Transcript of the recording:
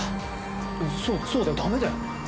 そうそうだよダメだよ。